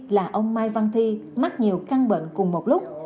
là ông mai văn thi mắc nhiều căn bệnh cùng một lúc